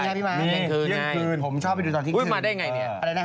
นี้เฮียกคืนผมชอบไปดูตอนเฮียกคืน